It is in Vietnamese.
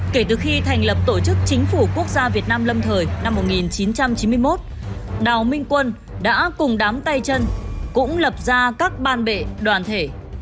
kể từ khi thành lập tổ chức chính phủ quốc gia việt nam lâm thời năm một nghìn chín trăm chín mươi một đào minh quân đã cùng đám tay chân cũng lập ra các ban bệ đoàn thể